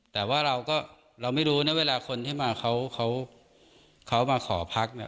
แต่ว่าเราก็เราไม่รู้นะเวลาคนที่มาเขาเขามาขอพักเนี่ย